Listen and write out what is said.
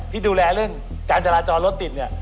ที่ดูแลเรื่องการจราจรรถติดเนี่ย